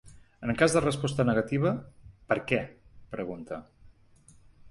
En cas de resposta negativa, per què?, pregunta.